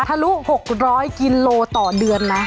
ทะลุ๖๐๐กิโลต่อเดือนนะ